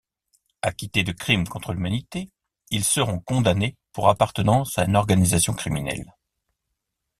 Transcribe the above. Acquittés de crimes contre l'humanité, ils seront condamnés pour appartenance à une organisation criminelle.